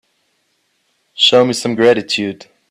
Show me some gratitude.